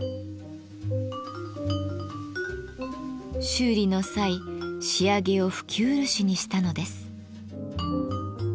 修理の際仕上げを拭き漆にしたのです。